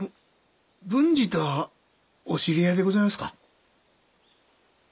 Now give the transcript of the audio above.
文治とはお知り合いでございますか？